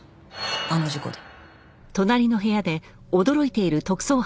あの事故で。